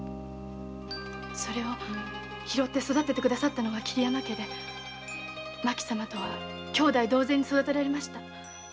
それを拾って育ててくださったのが桐山家で麻紀様とは姉妹同然に育てられました。